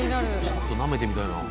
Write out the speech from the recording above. ちょっとなめてみたいな。